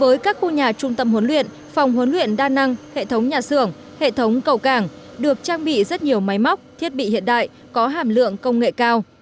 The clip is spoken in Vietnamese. với các khu nhà trung tâm huấn luyện phòng huấn luyện đa năng hệ thống nhà xưởng hệ thống cầu cảng được trang bị rất nhiều máy móc thiết bị hiện đại có hàm lượng công nghệ cao